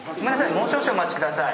もう少々お待ちください。